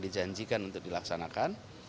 dijanjikan untuk dilaksanakan